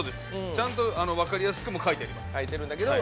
ちゃんと分かりやすくも書いています。